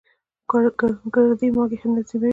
ګردې مالګې تنظیموي.